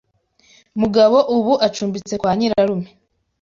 Mugabo ubu acumbitse kwa nyirarume.